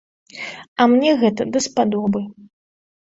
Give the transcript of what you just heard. А мне гэта даспадобы.